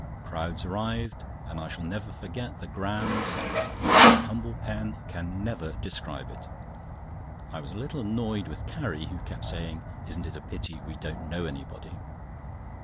Crowds arrived, and I shall never forget the grand sight. My humble pen can never describe it. I was a little annoyed with Carrie, who kept saying: "Isn't it a pity we don't know anybody?"